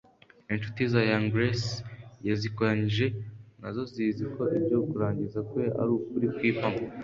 Inshuti za Young Grace yazikoranyije nazo zizi ko ibyo kurangiza kwe ari ukuri kw'impamo